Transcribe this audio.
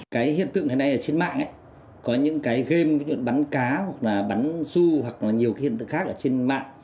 cái hiện tượng này ở trên mạng ấy có những cái game ví dụ bắn cá hoặc là bắn su hoặc là nhiều cái hiện tượng khác ở trên mạng